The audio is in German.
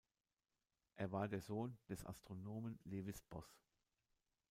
Er war der Sohn des Astronomen Lewis Boss.